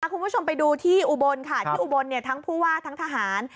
คุณผู้ชมไปดูที่อุบลค่ะที่อุบลทั้งผู้ว่าทั้งทหาร